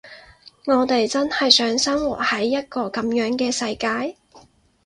我哋真係想生活喺一個噉樣嘅世界？